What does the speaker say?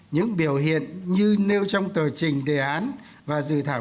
những biểu hiện như nêu trong tờ trình đề án và dự thảo